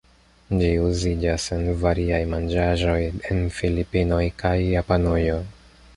Ĝi uziĝas en variaj manĝaĵoj en Filipinoj kaj Japanujo.